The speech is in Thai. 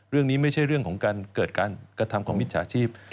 เรื่องนี้ไม่ใช่เรื่องของการเกิดการกระทำของมิจฉาชีพ